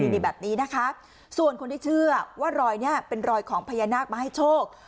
นี่แบบนี้นะคะส่วนคนที่เชื่อว่ารอยนี้เป็นรอยของพญานาคมาให้โชค